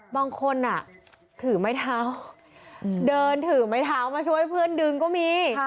บางคนถือไม้เท้าเดินถือไม้เท้ามาช่วยเพื่อนดึงก็มี